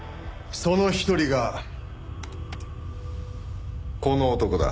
その一人がこの男だ。